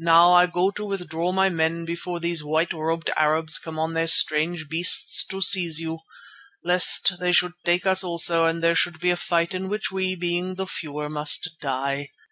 Now I go to withdraw my men before these white robed Arabs come on their strange beasts to seize you, lest they should take us also and there should be a fight in which we, being the fewer, must die.